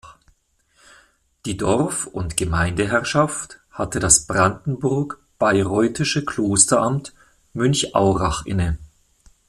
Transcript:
Die Dorf- und Gemeindeherrschaft hatte das brandenburg-bayreuthische Klosteramt Münchaurach inne.